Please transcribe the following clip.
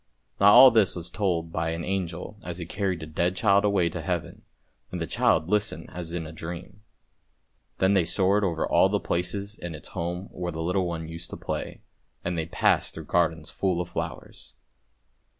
Now all this was told by an angel as he carried a dead child away to Heaven, and the child listened as in a dream; then they soared over all those places in its home where the little one used to play, and they passed through gardens full of flowers.